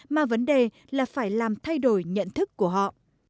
mà vấn đề là phải làm thay đổi nhận thức của họ